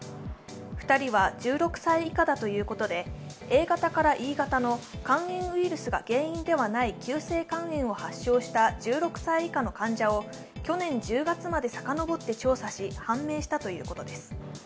２人は１６歳以下だということでＡ型からＥ型の肝炎ウイルスが原因ではない急性肝炎を発症した１６歳以下の患者を去年１０月までさかのぼって調査し、判明したということです。